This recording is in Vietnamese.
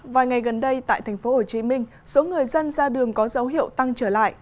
vài ngày gần đây tại tp hcm số người dân ra đường có dấu hiệu tăng trở lại